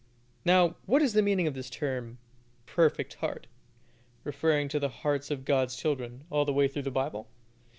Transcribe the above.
Now, what is the meaning of this term "perfect heart," referring to the hearts of God's children, all the way through the Bible?